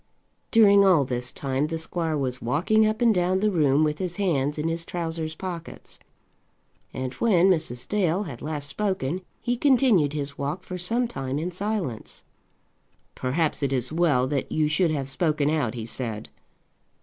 During all this time the squire was walking up and down the room with his hands in his trousers pockets. And when Mrs. Dale had last spoken, he continued his walk for some time in silence. "Perhaps it is well that you should have spoken out," he said.